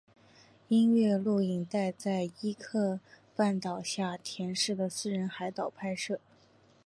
音乐录影带在伊豆半岛下田市的私人海滩拍摄。